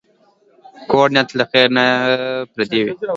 کوږ نیت له خېر نه پردی وي